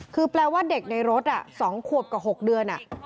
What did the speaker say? คือแปลว่าเด็กในรถ๒ขวบกับ๖เดือน